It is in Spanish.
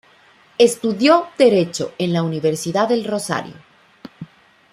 Estudió derecho en la Universidad del Rosario.